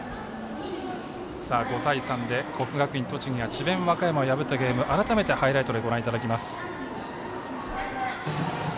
５対３で国学院栃木が智弁和歌山を破ったゲーム改めて、ハイライトでご覧いただきます。